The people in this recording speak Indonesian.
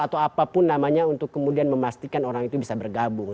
atau apapun namanya untuk kemudian memastikan orang itu bisa bergabung